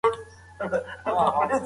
هغه سړی چې خبرې یې کولې ډېر خوشاله و.